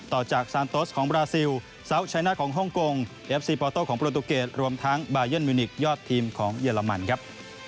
ต่อจากซานโตสของบราซิลซาวชัยหน้าของฮ่องกงเอฟซีปอโต้ของโปรตูเกตรวมทั้งบายันมิวนิกยอดทีมของเยอรมันครับ